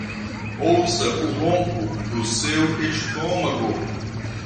Ouça o ronco do seu estômago